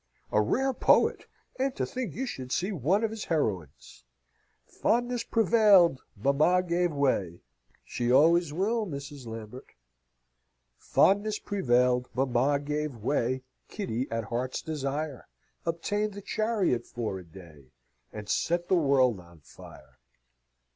A rare poet! and to think you should see one of his heroines! 'Fondness prevailed, mamma gave way' (she always will, Mrs. Lambert!) 'Fondness prevailed, mamma gave way, Kitty at heart's desire Obtained the chariot for a day, And set the world on fire!'"